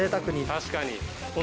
確かに。